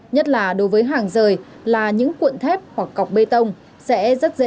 nhất là đối với hàng rời là những cuộn thép hoặc cọc bê tông sẽ rất dễ xảy ra tai nạn